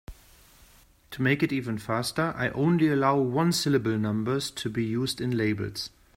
To make it even faster, I only allow one-syllable numbers to be used in labels.